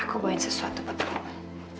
aku bawa sesuatu ke rumah